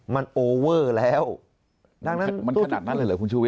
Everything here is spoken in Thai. มันโอเวอร์แล้ว